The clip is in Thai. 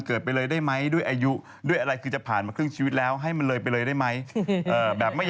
กล้ายวันเกิดแล้วด้วย